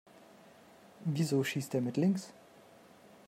Wieso schießt der mit links?